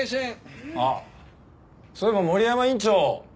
そういえば森山院長。